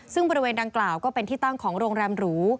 ซึ่งบริเวณดังกล่าวก็เป็นที่ตั้งของโรงแรมหรู